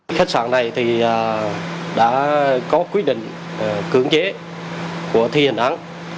khách sạn này đã có quyết định cưỡng chế của thi hành án